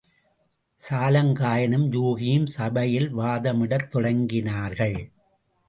சாலங்காயனும் யூகியும் சபையில் வாதமிடத் தொடங்கினார்கள்.